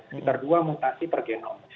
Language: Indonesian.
sekitar dua mutasi per genom